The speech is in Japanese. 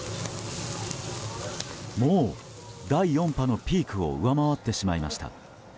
もう、第４波のピークを上回ってしまいました。